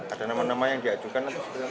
ada nama nama yang diajukan